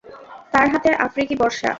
তার হাতে আফ্রিকী বর্শা।